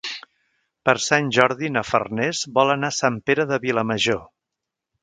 Per Sant Jordi na Farners vol anar a Sant Pere de Vilamajor.